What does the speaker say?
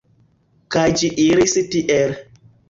Kaj ĝi iris tiel.